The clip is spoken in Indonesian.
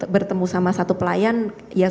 bertemu sama satu pelayan yang